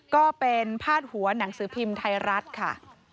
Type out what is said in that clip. ก็เป็นพาดหัวหนังสือพิมพ์ไทยรัฐค่ะ